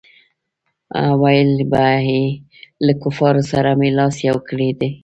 ویل به یې له کفارو سره مې لاس یو کړی دی.